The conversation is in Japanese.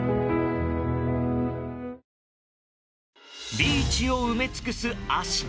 ビーチを埋め尽くすアシカ。